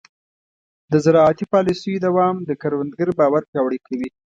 د زراعتي پالیسیو دوام د کروندګر باور پیاوړی کوي.